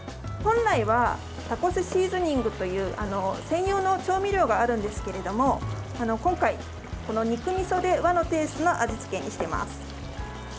本来はタコスシーズニングという専用の調味料があるんですが今回、肉みそで和のテイストの味付けにしています。